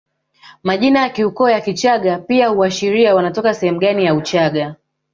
Majina ya kiukoo ya Kichagga pia huashiria wanatoka sehemu gani ya Uchaga